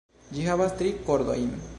Ĝi havas tri kordojn.